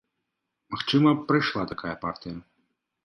Магчыма, прайшла такая партыя.